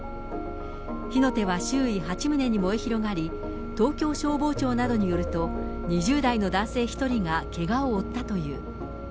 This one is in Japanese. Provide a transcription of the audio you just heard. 火の手は周囲８棟に燃え広がり、東京消防庁などによると、２０代の男性１人がけがを負ったという。